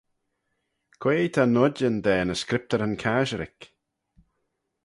Quoi ta noidyn da ny Scriptyryn Casherick?